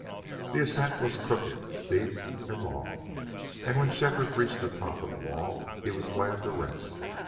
The ascent was crooked, steep, and long, and when Shefford reached the top of the wall he was glad to rest.